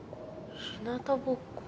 ひなたぼっこ？